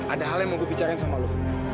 ada hal yang mau gue bicara sama lu